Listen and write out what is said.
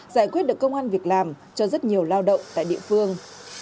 giải quyết được công an việc làm cho rất nhiều lao động tại địa phương